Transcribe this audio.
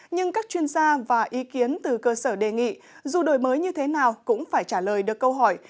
nhưng các chuyên gia và ý kiến từ cơ sở đề nghị dù đổi mới như thế nào cũng phải trả lời được câu hỏi